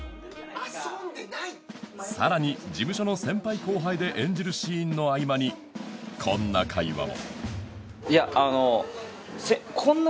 さらに事務所の先輩後輩で演じるシーンの合間にこんな会話も